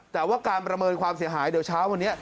แต่ว่าการประเมินความเสียหายเดี๋ยวเช้าวันนี้